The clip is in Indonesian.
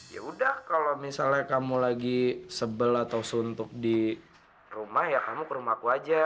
yaudah kalau misalnya kamu lagi sebel atau suntuk di rumah ya kamu ke rumahku aja